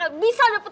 terima kasih pak joko